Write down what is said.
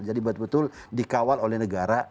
jadi betul betul dikawal oleh negara